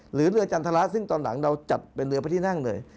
หรือเรือจันทราซึ่งตอนหลังเราจัดเป็นเรือพระที่นั่งเลย